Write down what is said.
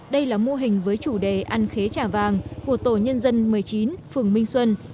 đây là mô hình với chủ đề ăn khế trà vàng của tổ nhân dân một mươi chín phường minh xuân